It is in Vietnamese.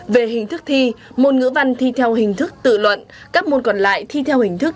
về hình thức thi môn ngữ văn thi theo hình thức tự luận các môn còn lại thi theo hình thức